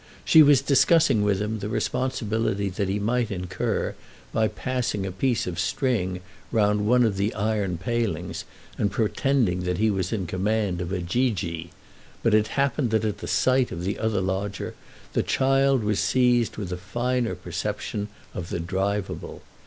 She was discussing with him the responsibility that he might incur by passing a piece of string round one of the iron palings and pretending he was in command of a "geegee"; but it happened that at the sight of the other lodger the child was seized with a finer perception of the drivable.